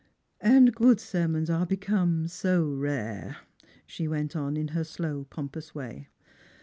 "And good sermons are become so rare," she went on in her slow pompous way.